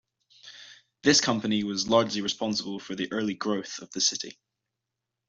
This company was largely responsible for the early growth of the city.